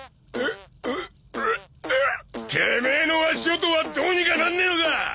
テメエの足音はどうにかなんねえのか！